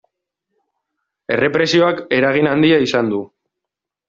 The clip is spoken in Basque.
Errepresioak eragin handia izan du.